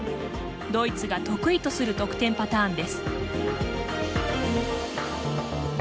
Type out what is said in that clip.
ドイツが得意とする得点パターンです。